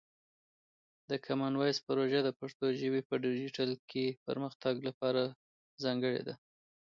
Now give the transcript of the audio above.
د کامن وایس پروژه د پښتو ژبې په ډیجیټل کې پرمختګ لپاره ځانګړې ده.